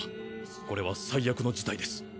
これは最悪の事態です。